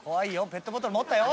ペットボトル持ったよ！」